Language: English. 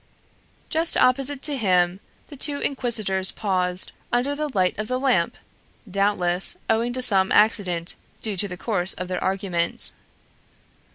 Just opposite to him the two inquisitors paused under the light of the lamp doubtless owing to some accident due to the course of their argument.